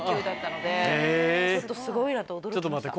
すごいなと驚きました。